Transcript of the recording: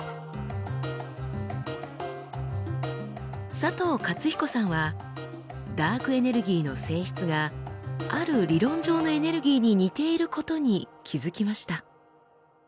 佐藤勝彦さんはダークエネルギーの性質がある理論上のエネルギーに似ていることに気付きました。